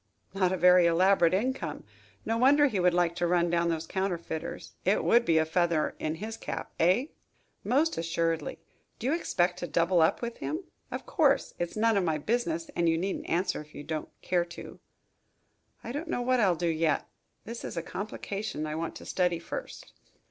"Not a very elaborate income. No wonder he would like to run down those counterfeiters. It would be a feather in his cap, eh?" "Most assuredly. Do you expect to double up with him? Of course, it's none of my business and you needn't answer if you don't care to." "I don't know what I'll do yet. This is a complication I want to study first."